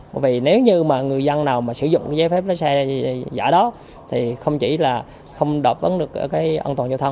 bởi vì nếu như mà người dân nào mà sử dụng giấy phép lái xe giả đó thì không chỉ là không đột vấn được cái an toàn cho thân